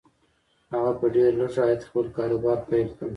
هغه په ډېر لږ عايد خپل کاروبار پيل کړ.